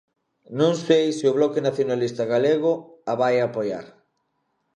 Non sei se o Bloque Nacionalista Galego a vai apoiar.